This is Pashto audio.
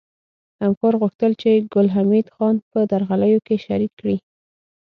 همکار غوښتل چې ګل حمید خان په درغلیو کې شریک کړي